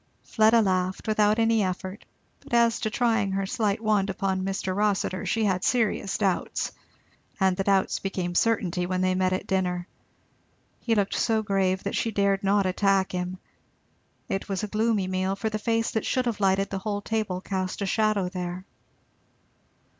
Fleda laughed, without any effort; but as to trying her slight wand upon Mr. Rossitur she had serious doubts. And the doubts became certainty when they met at dinner; he looked so grave that she dared not attack him. It was a gloomy meal, for the face that should have lighted the whole table cast a shadow there.